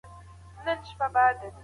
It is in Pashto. ذهني توازن بدن ارام ساتي.